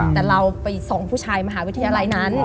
แต่เราไปส่งผู้ชายมหาวิทยาลัยนั้น